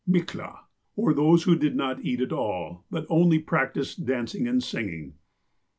(3) "Miklah," or those who did not eat at all, but only practiced dancing and singing.